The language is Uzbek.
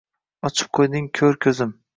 Ochib qo’yding ko’r ko’zim.